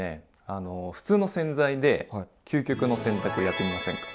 あの普通の洗剤で究極の洗濯やってみませんか？